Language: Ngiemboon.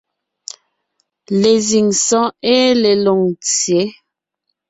Lezíŋ sɔ́ɔn ée le Lôŋtsyě,